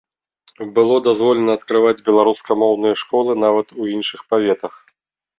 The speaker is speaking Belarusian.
Было дазволена адкрываць беларускамоўныя школы нават у іншых паветах.